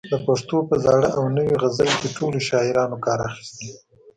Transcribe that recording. د پښتو په زاړه او نوي غزل کې ټولو شاعرانو کار اخیستی.